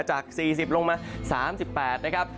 จาก๔๐ลงมา๓๘นะครับ